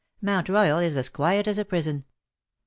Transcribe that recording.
Mount Royal is as quiet as a prison.